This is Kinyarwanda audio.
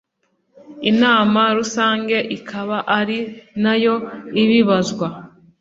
inama rusange ikaba ari nayo ibibazwa .